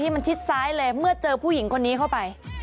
มันชิดซ้ายเลยเมื่อเจอผู้หญิงคนนี้เข้าไป